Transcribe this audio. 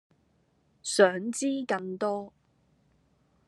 想知更多